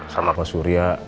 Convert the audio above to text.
sama pak surya